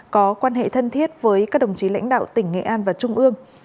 có quan hệ thân thiết với các đồng chí lãnh đạo tỉnh nghệ an và trung ương